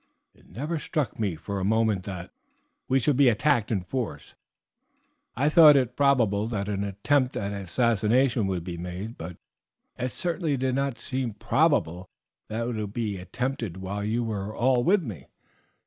It never struck me for a moment that we should be attacked in force. I thought it probable that an attempt at assassination would be made, but it certainly did not seem probable that it would be attempted while you were all with me.